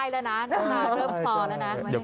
แมทอยู่ไหนลูก